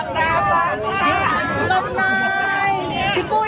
พี่ปุ้ยบอกตรงนี้หน่อยติดช่อง